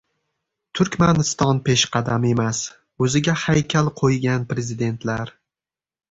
Turkmaniston peshqadam emas — o‘ziga haykal qo‘ygan prezidentlar